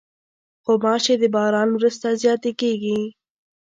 غوماشې د باران وروسته زیاتې کېږي.